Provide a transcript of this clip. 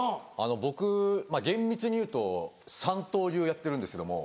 僕厳密に言うと三刀流やってるんですけども。